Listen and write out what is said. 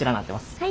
はい。